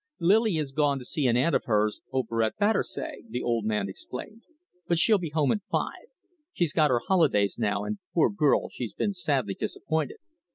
"Lily has gone to see an aunt of hers over at Battersea," the old man explained. "But she'll be home at five. She's got her holidays now, and, poor girl, she's been sadly disappointed.